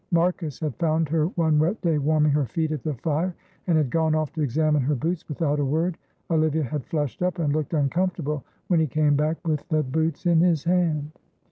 Marcus had found her one wet day warming her feet at the fire and had gone off to examine her boots without a word. Olivia had flushed up and looked uncomfortable when he came back with the boots in his hand.